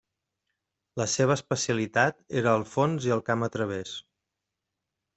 La seva especialitat era el fons i el camp a través.